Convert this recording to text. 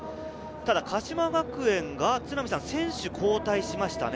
鹿島学園が選手交代しましたね。